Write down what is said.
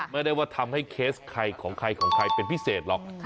ไม่ได้ว่าทำให้เคสของใครเป็นพิเศษหรอก